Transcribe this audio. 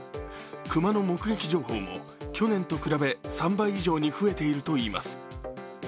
熊の目撃情報も去年と比べ３倍以上に増えているといいます。